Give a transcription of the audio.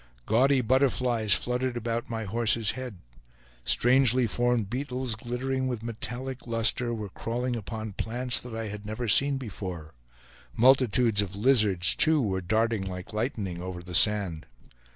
Gaudy butterflies fluttered about my horse's head; strangely formed beetles, glittering with metallic luster, were crawling upon plants that I had never seen before; multitudes of lizards, too, were darting like lightning over the sand.